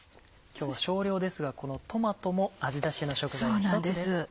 今日は少量ですがこのトマトも味ダシの食材の１つです。